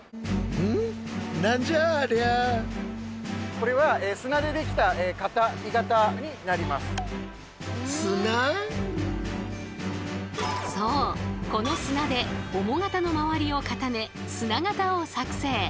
その数例えばそうこの砂で母型の周りを固め砂型を作成。